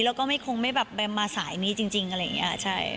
แล้วก็ไม่คงไม่แบบมาสายนี้จริงอะไรอย่างนี้ใช่